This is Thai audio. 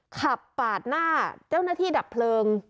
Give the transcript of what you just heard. ขับปาดหน้าเจ้าหน้าที่ดับเพลิง